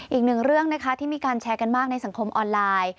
อีกหนึ่งเรื่องนะคะที่มีการแชร์กันมากในสังคมออนไลน์